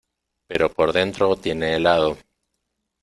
pero por dentro tiene helado.